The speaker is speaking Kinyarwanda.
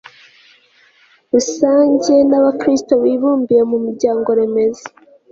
rusange n'abakristu bibumbiye mu miryango-remezo